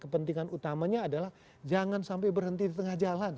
kepentingan utamanya adalah jangan sampai berhenti di tengah jalan